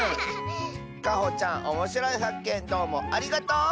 かほちゃんおもしろいはっけんどうもありがとう！